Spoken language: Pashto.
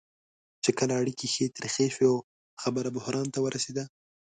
چې کله اړیکې ښې ترخې شوې او خبره بحران ته ورسېده.